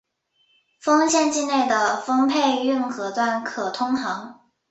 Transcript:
丰县境内的丰沛运河段可通航。